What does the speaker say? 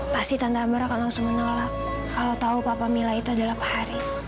pasti tante merah akan langsung menolak kalau tahu papa mila itu adalah pak haris